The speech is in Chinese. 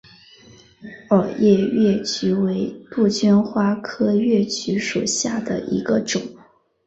耳叶越桔为杜鹃花科越桔属下的一个种。